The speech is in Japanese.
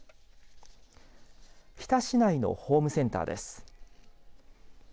日田市内のホームセンターです。